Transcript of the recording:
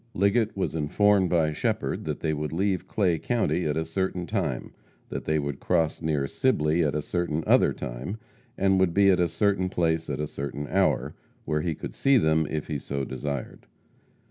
Liggett was informed by Shepherd that they would leave Clay county at a certain time; that they would cross near Sibley at a certain other time, and would be at a certain place at a certain hour, where he could see them if he so desired.